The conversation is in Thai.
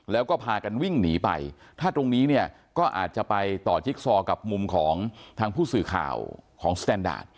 แล้วก็พากันวิ่งหนีไปถ้าตรงนี้เนี่ยก็อาจจะไปต่อจิ๊กซอกับมุมของทางผู้สื่อข่าวของสแตนดาร์ด